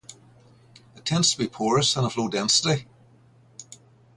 It tends to be porous and have low density.